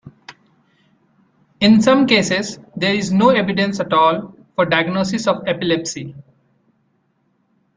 In some cases there is no evidence at all for a diagnosis of epilepsy.